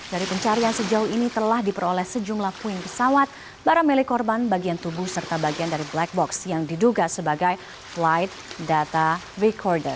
dari pencarian sejauh ini telah diperoleh sejumlah puing pesawat barang milik korban bagian tubuh serta bagian dari black box yang diduga sebagai flight data recorder